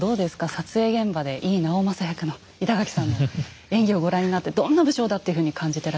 撮影現場で井伊直政役の板垣さんの演技をご覧になってどんな武将だっていうふうに感じていらっしゃいますか？